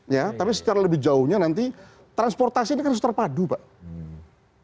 ya tapi secara lebih jauhnya nanti transportasi ini harus terpadu pak